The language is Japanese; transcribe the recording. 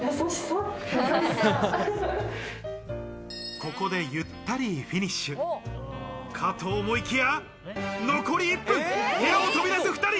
ここで、ゆったりフィニッシュかと思いきや、残り１分、部屋を飛び出す２人。